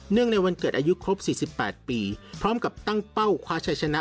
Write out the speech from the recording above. ในวันเกิดอายุครบ๔๘ปีพร้อมกับตั้งเป้าคว้าชัยชนะ